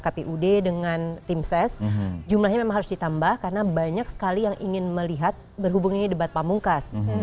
karena kita sudah melihat di kpud dengan tim ses jumlahnya memang harus ditambah karena banyak sekali yang ingin melihat berhubung ini debat pamungkas